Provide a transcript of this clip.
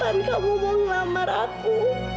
kapan kamu mau ngelamar aku